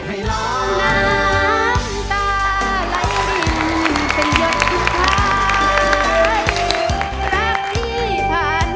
น้ำตาไหล่ดินเป็นยกทุกข้าย